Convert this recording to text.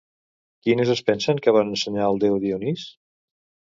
Quines es pensen que van ensenyar al déu Dionís?